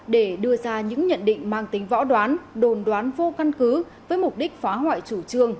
để đưa ra những nhận định mang tính võ đoán đồn đoán vô căn cứ với mục đích phá hoại chủ trương